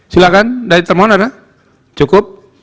silakan dari termon ada cukup